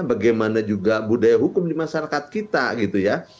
bagaimana juga budaya hukum di masyarakat kita gitu ya